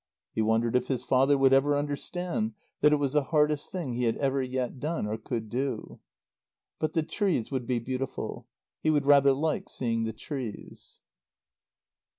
He wondered if his father would ever understand that it was the hardest thing he had ever yet done or could do? But the trees would be beautiful. He would rather like seeing the trees.